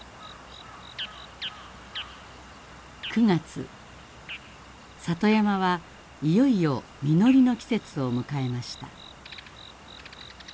９月里山はいよいよ実りの季節を迎えました。